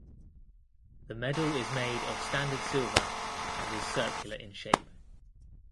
The medal is made of standard silver and is circular in shape.